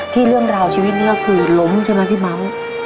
เรื่องราวชีวิตนี้ก็คือล้มใช่ไหมพี่เมาส์